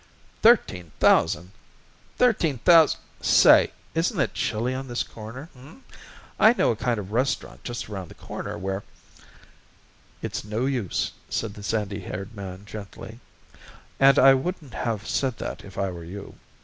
"Thirteen thousand! Thirteen thous Say, isn't it chilly on this corner, h'm? I know a kind of a restaurant just around the corner where " "It's no use," said the sandy haired man, gently. "And I wouldn't have said that, if I were you.